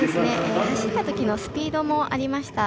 走ったときのスピードもありました。